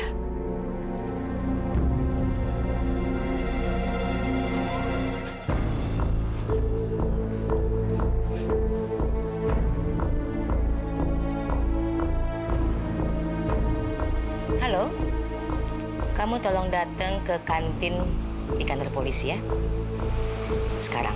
halo kamu tolong datang ke kantin di kantor polisi ya sekarang